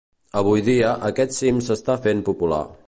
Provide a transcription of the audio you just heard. Avui dia, aquest cim s'està fent popular.